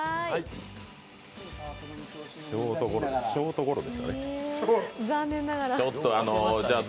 ショートゴロでしたね。